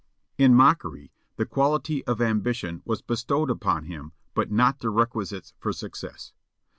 In mockery the quality of ambition was bestowed upon him but not the requisites for success.